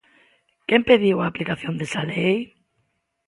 ¿Quen pediu a aplicación desa lei?